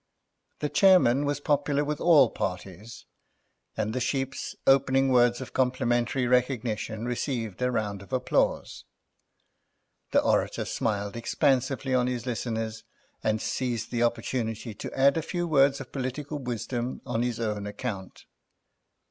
The chairman was popular with all parties, and the Sheep's opening words of complimentary recognition received a round of applause. The orator smiled expansively on his listeners and seized the opportunity to add a few words of political wisdom on his own account.